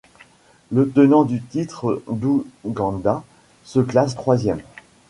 Le tenant du titre, l'Ouganda se classe troisième.